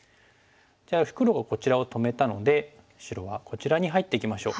じゃあ黒がこちらを止めたので白はこちらに入っていきましょう。